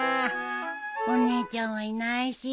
お姉ちゃんはいないし。